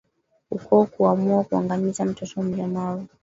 Ukoo kuamua kuangamiza mtoto mlemavu